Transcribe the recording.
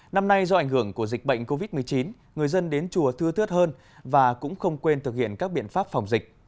năm nay do ảnh hưởng của dịch bệnh covid một mươi chín người dân đến chùa thư thớt hơn và cũng không quên thực hiện các biện pháp phòng dịch